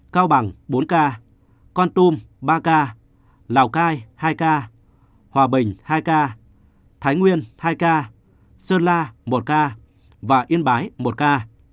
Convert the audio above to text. cao bằng bốn ca con tum ba ca lào cai hai ca hòa bình hai ca thái nguyên hai ca sơn la một ca và yên bái một ca